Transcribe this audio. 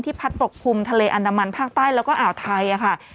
พัดปกคลุมทะเลอันดามันภาคใต้แล้วก็อ่าวไทยค่ะ